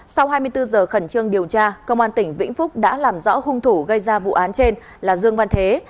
sau hai mươi bốn giờ khẩn trương điều tra công an tỉnh vĩnh phúc đã làm rõ hung thủ gây ra vụ án trên là dương văn thế